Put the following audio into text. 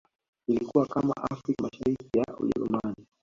Ilikuwa kama Afrika Mashariki ya Ujerumani